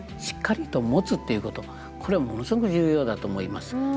しっかりと持つということこれはものすごく重要だと思います。